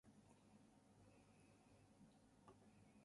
It gave rise to the Guadeloupe Fund.